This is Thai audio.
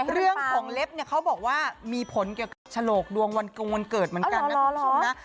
เรื่องของเล็บเขาบอกว่ามีผลเกี่ยวกับฉลกดวงวันเกิดเหมือนกันนะครับ